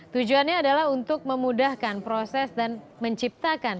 tujuannya adalah untuk memudahkan proses dan menciptakan